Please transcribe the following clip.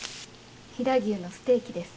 飛騨牛のステーキです。